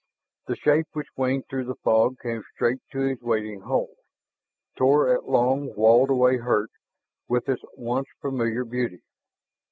The shape which winged through the fog came straight to his waiting hold, tore at long walled away hurt with its once familiar beauty.